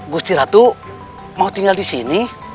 gusti ratu mau tinggal disini